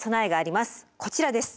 こちらです。